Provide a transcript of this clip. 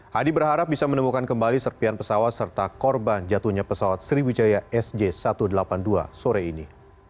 hadi berharap bisa menemukan kembali serpian pesawat serta korban jatuhnya pesawat sriwijaya sj satu ratus delapan puluh dua sore ini